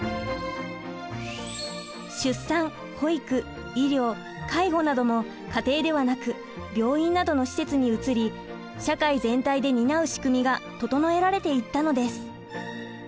出産保育医療介護なども家庭ではなく病院などの施設に移り社会全体で担うしくみが整えられていったのです。